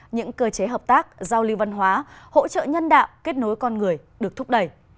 những cơ chế hợp tác giao lưu văn hóa hỗ trợ nhân đạo kết nối con người được thúc đẩy